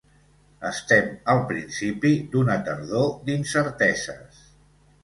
Estem al principi d’una tardor d’incerteses.